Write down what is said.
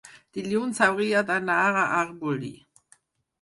dilluns hauria d'anar a Arbolí.